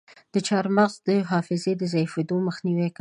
چارمغز د حافظې ضعیفیدو مخنیوی کوي.